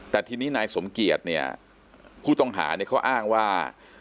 แต่ทีนี้นายสมเกียจเนี่ยผู้ต้องหาเนี่ยเขาอ้างว่า